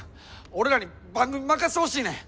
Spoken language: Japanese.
俺らに番組任してほしいねん。